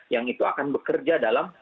yang itu akan bekerja dalam